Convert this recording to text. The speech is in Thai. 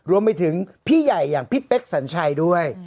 รวมไปถึงพี่ใหญ่อย่างพี่เป๊กสัญชัยด้วย